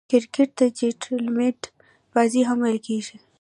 کرکټ ته "جېنټلمن بازي" هم ویل کیږي.